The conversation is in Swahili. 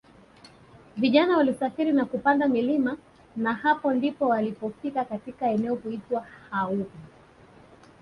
vijana walisafiri na kupanda milima na hapo ndipo walipofika katika eneo huitwa Haubi